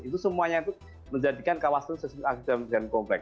itu semuanya itu menjadikan kawasan sesuatu yang agak agak komplek